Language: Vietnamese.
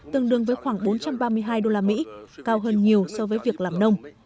tương đương với khoảng bốn trăm ba mươi hai usd cao hơn nhiều so với việc làm nông